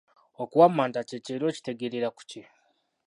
Okuwammanta kye ki era okitegeerera ku ki?